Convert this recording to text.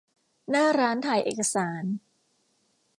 หน้าร้านถ่ายเอกสาร